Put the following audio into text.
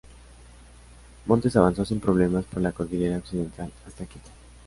Montes avanzó sin problemas por la cordillera Occidental hasta Quito.